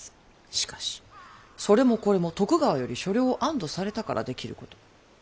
しかしそれもこれも徳川より所領を安堵されたからできること。